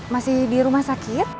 masih di rumah sakit